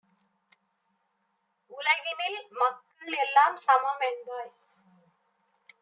உலகினில் மக்கள் எல்லாம்சமம் என்பாய்;